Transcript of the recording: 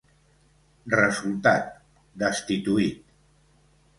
Resultat: destituït.